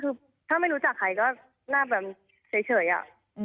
คือถ้าไม่รู้จักใครก็หน้าแบบเฉยอะ